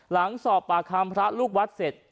หลังสอบปากคำพระลูกวัดเสร็จ